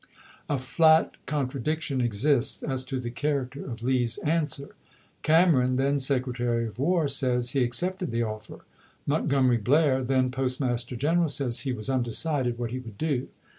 A flat contradiction exists as to the character of Lee's answer. Cam eron, then Secretary of War, says he accepted the offer. ^ Montgomery Blair, then Postmaster Gren eral, says he was undecided what he would do.